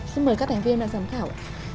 xin mời các thành viên ban giám khảo